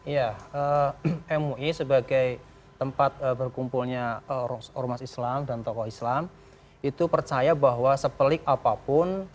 ya mui sebagai tempat berkumpulnya ormas islam dan tokoh islam itu percaya bahwa sepelik apapun